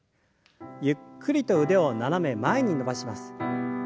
ゆっくりと腕を斜め前に伸ばします。